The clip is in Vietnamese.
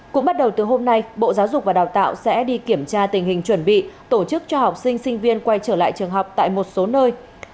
cũng bắt đầu từ hôm nay bộ giáo dục và đào tạo sẽ đi kiểm tra tình hình chuẩn bị tổ chức cho học sinh sinh viên quay trở lại trường học tại một số nơi